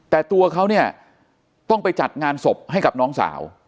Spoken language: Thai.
แต่ตัวเขาเนี่ยต้องไปจัดงานศพให้กับน้องสาว